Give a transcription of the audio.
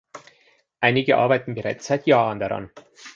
Einige arbeiten bereits seit Jahren daran.